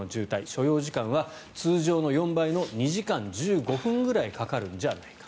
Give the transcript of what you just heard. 所要時間は通常の４倍の２時間１５分ぐらいかかるんじゃないか。